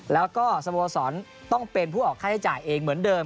แล้วก็สโมสรต้องเป็นผู้ออกค่าใช้จ่ายเองเหมือนเดิม